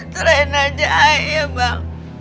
cerain aja ayah bang